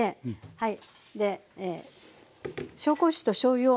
はい。